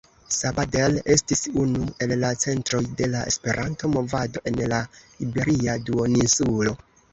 Sabadell estis unu el la centroj de la Esperanto-movado en la iberia duoninsulo.